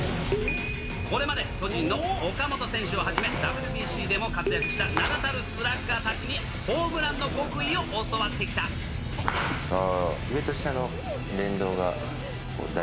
これまで、巨人の岡本選手をはじめ、ＷＢＣでも活躍した名だたるスラッガーたちに、ホームランの極意上と下の連動が大事。